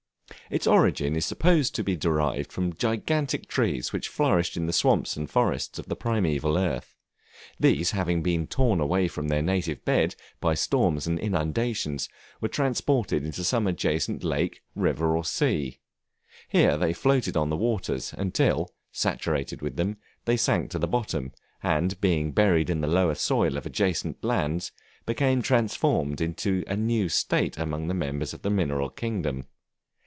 Its origin is supposed to be derived from gigantic trees which flourished in the swamps and forests of the primeval earth. These having been torn away from their native bed, by storms and inundations, were transported into some adjacent lake, river, or sea. Here they floated on the waters until, saturated with them, they sank to the bottom, and being buried in the lower soil of adjacent lands, became transformed into a new state among the members of the mineral kingdom.